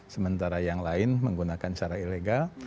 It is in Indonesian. sementara yang lain menggunakan cara ilegal